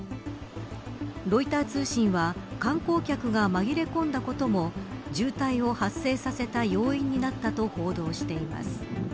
ロイター通信は観光客が紛れ込んだことも渋滞を発生させた要因になったと報道しています。